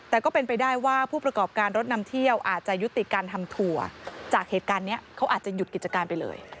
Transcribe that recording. แต่ก็เป็นไปได้ว่าผู้ประกอบการรถนำเที่ยวอาจจะยุติการทำถั่วจากเหตุการณ์นี้เขาอาจจะหยุดกิจการไปเลย